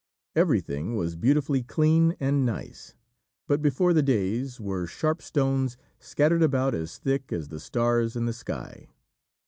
Everything was beautifully clean and nice, but before the dais were sharp stones scattered about as thick as the stars in the sky.